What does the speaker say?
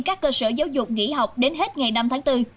các cơ sở giáo dục nghỉ học đến hết ngày năm tháng bốn